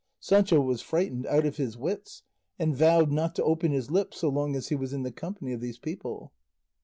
Sancho was frightened out of his wits, and vowed not to open his lips so long as he was in the company of these people.